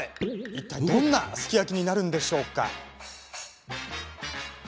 いったい、どんなすき焼きになるんでしょうか？